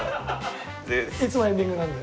いつもエンディングなんで。